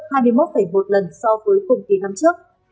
tăng hai mươi một một lần so với cùng kỳ năm trước